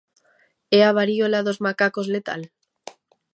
É a varíola dos macacos letal?